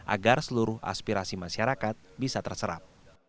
agar seluruh aspirasi masyarakat bisa terserap